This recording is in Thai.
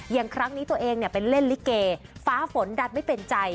อย่างครั้งนี้ตัวเองเป็นเล่นลิเกฟ้าฝนดัดไม่เป็นใจ